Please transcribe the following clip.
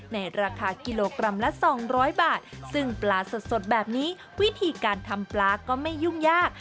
ในราคากิโลกรัมละ๒๐๐บาทซึ่งปลาสดแบบนี้วิธีการทำปลาก็ไม่ยุ่งยาก